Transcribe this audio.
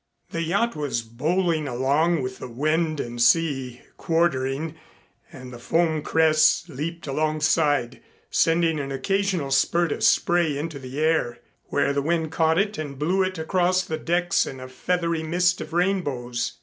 The yacht was bowling along with the wind and sea quartering and the foam crests leaped alongside, sending an occasional spurt of spray into the air, where the wind caught it and blew it across the decks in a feathery mist of rainbows.